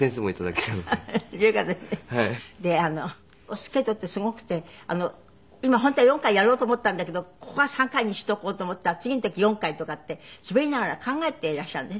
スケートってすごくて今本当は４回やろうと思ったんだけどここは３回にしとこうと思ったら次の時４回とかって滑りながら考えていらっしゃるのね次々と。